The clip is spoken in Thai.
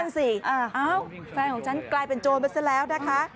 นั่นสิอ้าวแฟนของฉันกลายเป็นโจรมาซะแล้วนะคะ